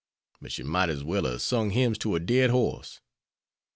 But she might as well a sung hymns to a dead horse.